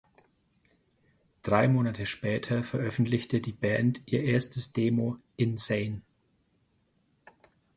Drei Monate später veröffentlichte die Band ihr erstes Demo "Insane".